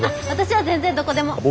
私は全然どこでも！